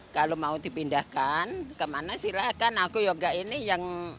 kalau mau dipindahkan kemana silahkan aku yoga ini yang